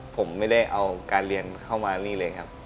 ผมไม่ได้เอาการเรียนเข้ามานี่เลยครับ